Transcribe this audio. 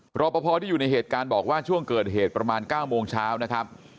รอปภที่อยู่ในเหตุการณ์บอกว่าช่วงเกิดเหตุประมาณ๙โมงเช้านะครับ